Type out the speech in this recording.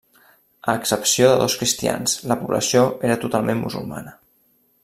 A excepció de dos cristians, la població era totalment musulmana.